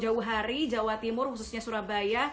jauh hari jawa timur khususnya surabaya